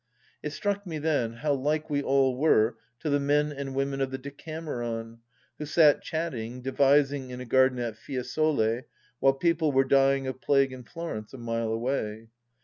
It struck me then, how like we all were to the men and women of the Decameron, who sat chatting, devising in a garden at Fiesole while people were dying of plague in Florence a mile away.